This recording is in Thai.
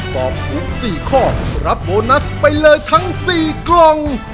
ตอบถูก๔ข้อรับโบนัสไปเลยทั้ง๔กล่อง